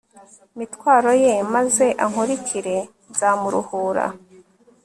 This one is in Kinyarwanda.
mitwaro ye, maze ankurikire nzamuruhura